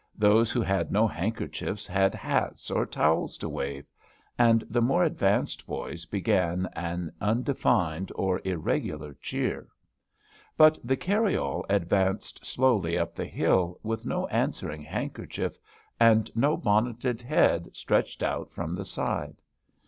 Those who had no handkerchiefs had hats or towels to wave; and the more advanced boys began an undefined or irregular cheer. But the carryall advanced slowly up the hill, with no answering handkerchief, and no bonneted head stretched out from the side.